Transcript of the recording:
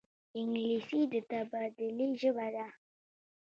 انګلیسي د تبادلې ژبه ده